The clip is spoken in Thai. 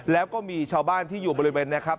แล้วก็มีชาวบ้านที่อยู่บริเวณ